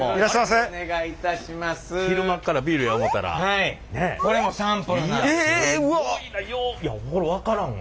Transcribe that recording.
いやこれ分からんわ。